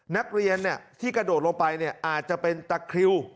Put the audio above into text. นักเรียนที่กระโดดลงไปอาจจะเป็นตะคริว